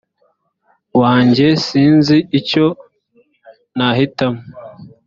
wanjye sinzi icyo nahitamo